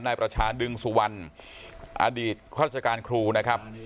นายประชาดึงสุวรรณอดีตข้าราชการครูนะครับ